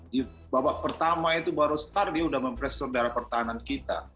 di babak pertama itu baru mulai dia sudah mempresor darah pertahanan kita